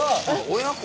親子？